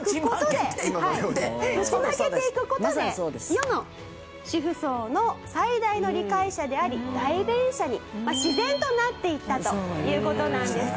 世の主婦層の最大の理解者であり代弁者に自然となっていったという事なんですよね。